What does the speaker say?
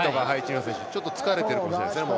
ちょっと疲れてるかもしれないですね。